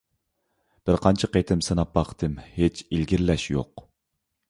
بىر قانچە قېتىم سىناپ باقتىم، ھېچ ئىلگىرىلەش يوق!